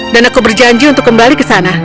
dan aku berjanji untuk kembali ke sana